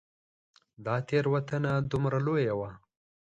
دا تېروتنه دومره لویه وه.